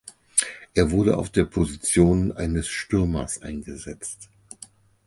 Er wurde auf der Position eines Stürmers eingesetzt.